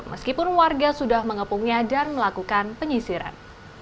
meskipun warga sudah mengepungnya dan melakukan penyisiran